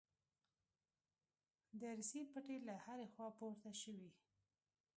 د ارسي پټې له هرې خوا پورته شوې.